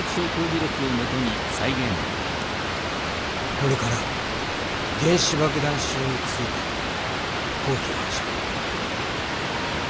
これから原子爆弾症についての講義を始める。